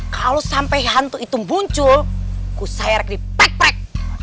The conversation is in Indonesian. kalau sampai hantu hitung muncul kusayerek dipek pek